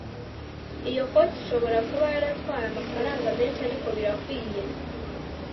iyo koti ishobora kuba yaratwaye amafaranga menshi, ariko birakwiye